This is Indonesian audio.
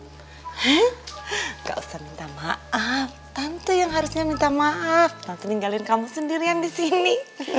tidak usah minta maaf tante yang harusnya minta maaf tante ninggalin kamu sendirian di sini